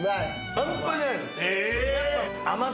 半端じゃないです。